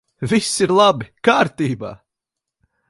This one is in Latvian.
Viss ir labi! Kārtībā!